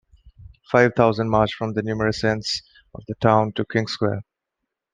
Five thousand marched from numerous ends of the town to King Square.